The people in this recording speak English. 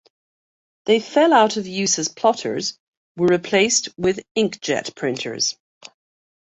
They fell out of use as plotters were replaced with ink-jet printers.